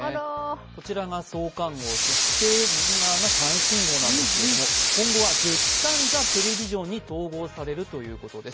こちらが創刊号、そして右側が最新号なんですが、今後は「月刊ザテレビジョン」に統合されるというこどてす。